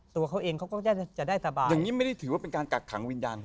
แต่นี้ไม่ได้ถือว่าเป็นการกากขังวิญญาณ